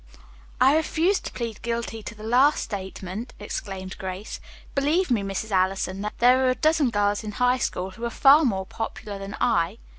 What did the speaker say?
"I refuse to plead guilty to the last statement!" exclaimed Grace. "Believe me, Mrs. Allison, there are a dozen girls in High School who are far more popular than I."